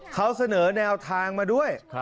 เขาเสนอแนวทางมาด้วย